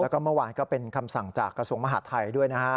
แล้วก็เมื่อวานก็เป็นคำสั่งจากกระทรวงมหาดไทยด้วยนะฮะ